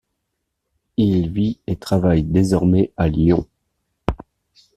Il vit et travaille désormais à Lyon.